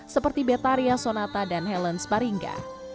seperti betaria sonata dan helen sparinga